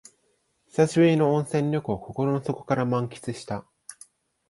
久しぶりの温泉旅行を心の底から満喫した